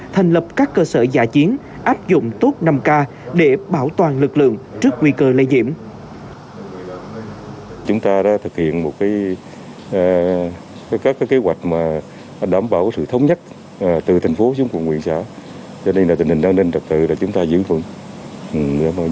thành lập các cơ sở giả chiến áp dụng tốt năm k để bảo toàn lực lượng trước nguy cơ lây nhiễm